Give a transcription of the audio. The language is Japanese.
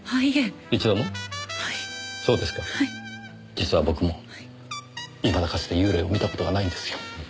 実は僕もいまだかつて幽霊を見た事がないんですよ。